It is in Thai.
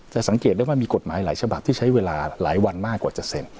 สังเกตได้ว่ามีกฎหมายหลายฉบับที่ใช้เวลาหลายวันมากกว่าจะเสร็จ